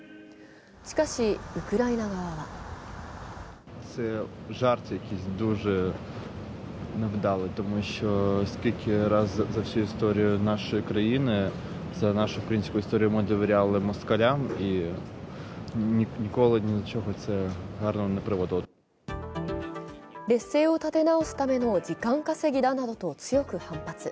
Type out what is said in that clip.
しかし、ウクライナ側は劣勢を立て直すための時間稼ぎだなどと強く反発。